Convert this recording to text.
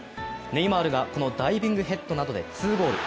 ネイマールがこのダイビングヘッドなどで２ゴール。